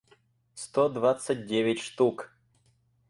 сто двадцать девять штук